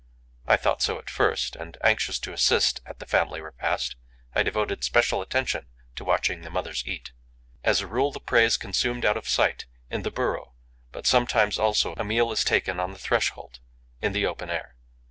I thought so at first; and, anxious to assist at the family repast, I devoted special attention to watching the mothers eat. As a rule, the prey is consumed out of sight, in the burrow; but sometimes also a meal is taken on the threshold, in the open air.